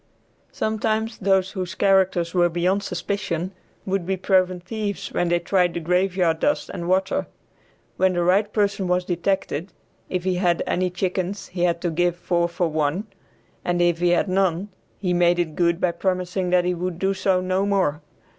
Sometimes those whose characters were beyond suspicion would be proven thieves when they tried the graveyard dust and water. When the right person was detected, if he had any chickens he had to give four for one, and if he had none he made it good by promising that he would do so no more.